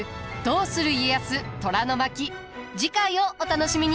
次回をお楽しみに。